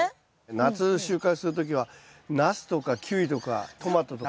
夏収穫する時はナスとかキュウリとかトマトとか。